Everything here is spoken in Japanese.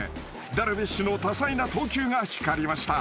ダルビッシュの多彩な投球が光りました。